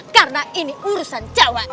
karena ini urusan cewek